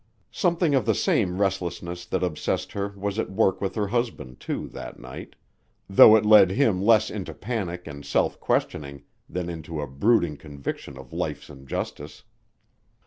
Something of the same restlessness that obsessed her was at work with her husband, too, that night, though it led him less into panic and self questioning than into a brooding conviction of life's injustice.